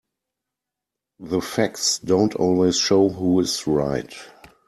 The facts don't always show who is right.